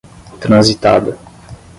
Transitada